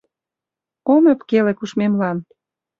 Ом ӧпкеле кушмемлан.